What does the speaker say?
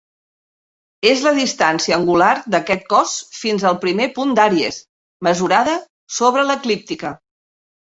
És la distància angular d'aquest cos fins al primer punt d'Àries, mesurada sobre l'eclíptica.